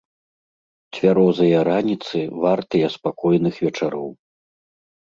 Цвярозыя раніцы вартыя спакойных вечароў.